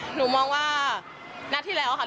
หนูมองว่านัดที่แล้วค่ะ